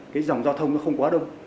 cái dòng giao thông nó không quá đông